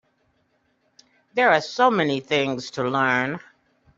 There are so many things to learn.